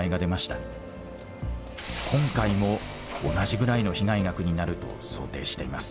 今回も同じぐらいの被害額になると想定しています。